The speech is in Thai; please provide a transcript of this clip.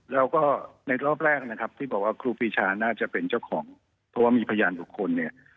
แล้วก็ในรอบแรกที่บอกว่าครูฟีชาน่าจะเป็นเจ้าของเพราะว่ามีพยานทุกคน